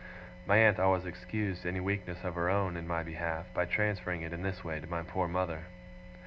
(My aunt always excused any weakness of her own in my behalf, by transferring it in this way to my poor mother.)